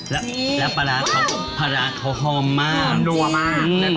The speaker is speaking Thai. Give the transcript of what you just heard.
แล้วปลาร้าเขาพลาเขาหอมมากอู๋จรังจริง